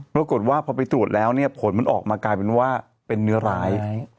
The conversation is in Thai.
ปรากฏว่าพอไปตรวจแล้วเนี่ยผลมันออกมากลายเป็นว่าเป็นเนื้อร้าย